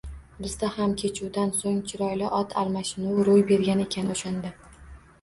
Bizda ham kechuvdan so‘ng chiroyli ot almashinuv ro‘y bergan ekan o‘shanda